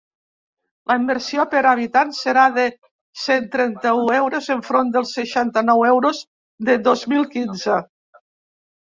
La inversió per habitant serà de cent trenta-u euros, enfront dels seixanta-nou euros de dos mil quinze.